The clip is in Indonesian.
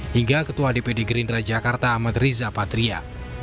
hingga ketua dpd gerindra jakarta amat riza patria